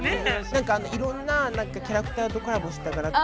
何かあのいろんなキャラクターとコラボした柄。